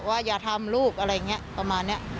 อย่าทำลูกอะไรอย่างนี้ประมาณนี้